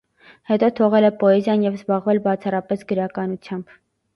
Հետո թողել է պոեզիան և զբաղվել բացառապես գրականագիտությամբ։